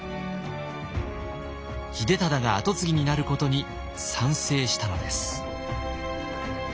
秀忠が跡継ぎになることに賛成したのです。